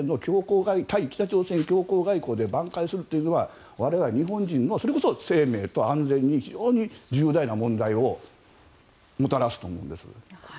北朝鮮強硬外交でばん回するというのは我々日本人もそれこそ生命と安全に非常に重大な問題をもたらすと思うんです。